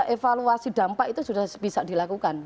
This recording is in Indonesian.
evaluasi dampak itu sudah bisa dilakukan